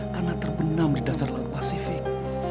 karena terbenam di dasar laut pasifik